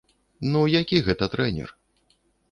Ну, які гэта трэнер?